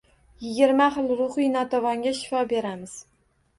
Yigirma xil ruhiy notavonga shifo beramiz.